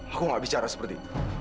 aku gak bicara seperti itu